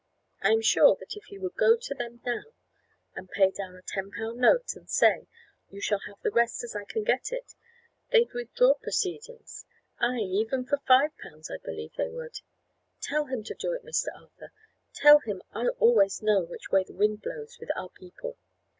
I am sure that if he would go to them now, and pay down a ten pound note, and say, 'You shall have the rest as I can get it,' they'd withdraw proceedings; ay, even for five pounds I believe they would. Tell him to do it, Mr. Arthur; tell him I always know which way the wind blows with our people."